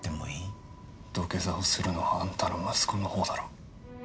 土下座をするのはあんたの息子のほうだろ。